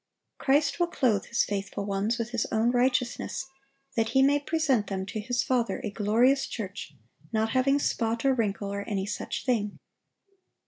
(861) Christ will clothe His faithful ones with His own righteousness, that He may present them to His Father "a glorious church, not having spot, or wrinkle, or any such thing."